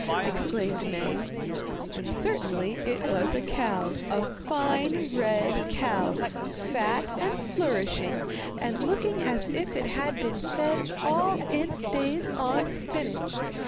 exclaimed Maie. And certainly it was a cow, a fine red cow, fat and flourishing, and looking as if it had been fed all its days on spinach.